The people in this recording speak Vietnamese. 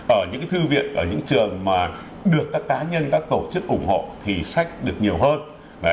ở những thư viện ở những trường mà được các cá nhân các tổ chức ủng hộ thì sách được nhiều hơn